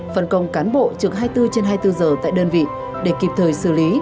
phần công cán bộ trực hai mươi bốn trên hai mươi bốn giờ tại đơn vị để kịp thời xử lý